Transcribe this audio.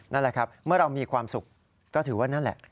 นั่นแหละครับเมื่อเรามีความสุขก็ถือว่านั่นแหละ